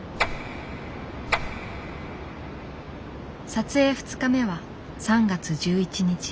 撮影２日目は３月１１日。